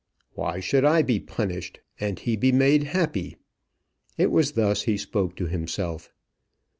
"Why should I be punished and he be made happy?" It was thus he spoke to himself.